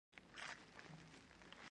بزګر ته کار وقار دی